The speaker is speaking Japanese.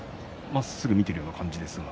まっすぐ見ているような感じですが。